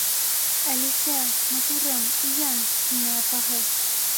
—Әлисә, матурым, уян! —тине апаһы.